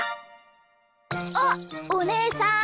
あっおねえさん。